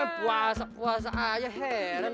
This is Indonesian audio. puasa puasa aja heran